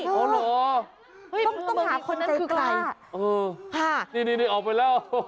ต้องถามคนนั้นคือใคร